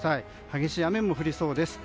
激しい雨も降りそうです。